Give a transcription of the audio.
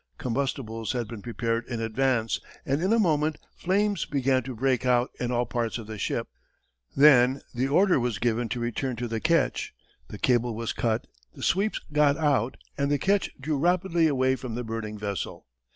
Combustibles had been prepared in advance, and in a moment, flames began to break out in all parts of the ship. Then the order was given to return to the ketch, the cable was cut, the sweeps got out, and the ketch drew rapidly away from the burning vessel.